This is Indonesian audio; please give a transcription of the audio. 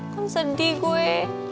kan sedih gue